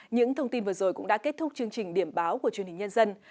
những thông tin vừa rồi cũng đã kết thúc chương trình điểm báo của chương trình nhân dân